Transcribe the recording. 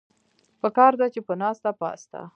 پکار ده چې پۀ ناسته پاسته